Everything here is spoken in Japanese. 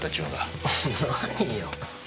何よ。